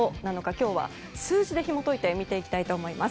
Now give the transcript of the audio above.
今日は数字でひも解いて見ていきたいと思います。